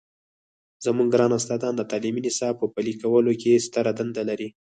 زموږ ګران استادان د تعلیمي نصاب په پلي کولو کې ستره دنده لري.